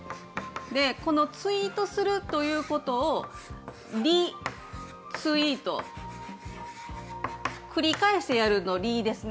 このツイートするということをリツイート、繰り返してやるの「リ」ですね。